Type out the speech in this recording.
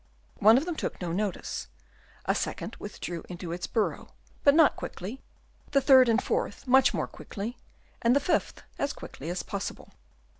One of them took no notice ; a second with drew into its burrow, but not quickly ; the third and fourth much more quickly, and the fifth as quickly as possible.